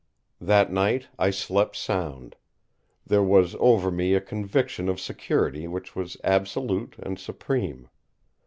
That night I slept sound. There was over me a conviction of security which was absolute and supreme.